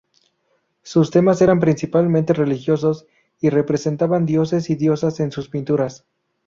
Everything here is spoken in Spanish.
Sus temas eran principalmente religiosos, y representan dioses y diosas en sus pinturas.